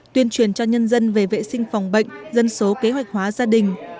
tuyên truyền cho nhân dân về vệ sinh phòng bệnh dân số kế hoạch hóa gia đình